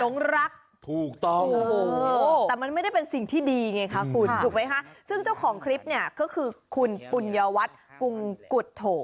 รักถูกต้องโอ้โหแต่มันไม่ได้เป็นสิ่งที่ดีไงคะคุณถูกไหมคะซึ่งเจ้าของคลิปเนี่ยก็คือคุณปุญญวัตรกงกุฎโถ